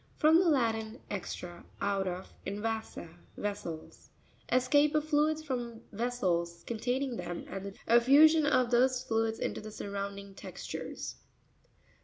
—From the Latin, extra, out of, and vasa, vessels. Escape of fluids from vessels con taining them and the offusion of 106 CONCHOLOGY.—GLOSSARY. those fluids into the surrounding textures.